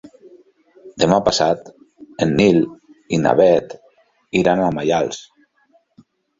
Demà passat en Nil i na Bet iran a Maials.